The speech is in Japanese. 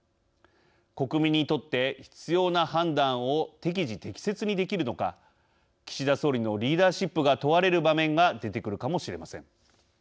国民にとって必要な判断を適時適切にできるのか岸田総理のリーダーシップが問われる場面が出てくるかもしれません。